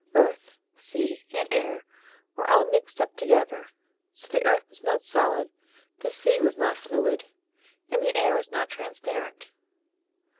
Earth, sea, and air were all mixed up together; so the earth was not solid, the sea was not fluid, and the air was not transparent.